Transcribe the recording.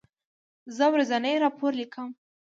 زه ورځنی راپور لیکم.